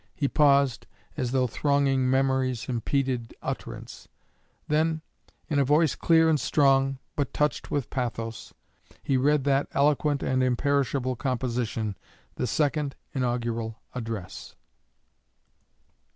He paused, as though thronging memories impeded utterance; then, in a voice clear and strong, but touched with pathos, he read that eloquent and imperishable composition, the Second Inaugural Address.